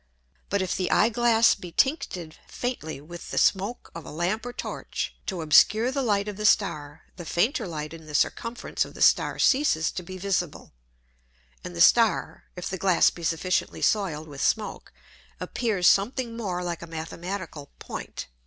But if the Eye Glass be tincted faintly with the Smoak of a Lamp or Torch, to obscure the Light of the Star, the fainter Light in the Circumference of the Star ceases to be visible, and the Star (if the Glass be sufficiently soiled with Smoak) appears something more like a mathematical Point.